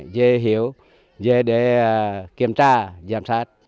dê hiểu dê để kiểm tra giám sát